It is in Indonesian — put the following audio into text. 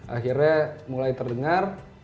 akhirnya mulai terdengar